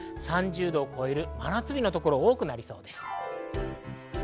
３０度を超える真夏日のところが多くなりそうです。